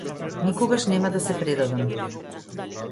Никогаш нема да се предадам.